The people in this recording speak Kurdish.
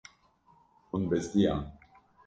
Hûn bizdiyan.